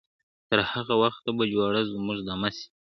تر هغه وخته به جوړه زموږ دمه سي ,